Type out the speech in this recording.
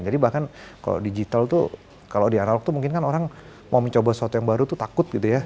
jadi bahkan kalau digital tuh kalau di analog tuh mungkin kan orang mau mencoba sesuatu yang baru tuh takut gitu ya